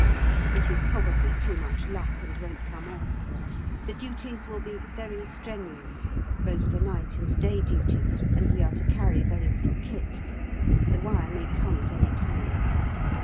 It is probably too much luck and won't come off. The duties will be "very strenuous," both for night and day duty, and we are to carry very little kit. The wire may come at any time.